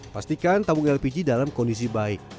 pastikan tabung lpg dalam kondisi baik